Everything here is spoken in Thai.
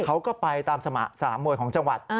เขาก็ไปตามสนามมวยของจังหวัด